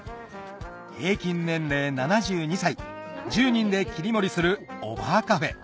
平均年齢７２歳１０人で切り盛りするおばあかふぇ